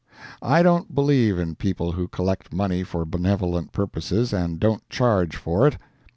I don't believe in people who collect money for benevolent purposes and don't charge for it.